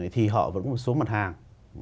thì họ vẫn có một số mặt hàng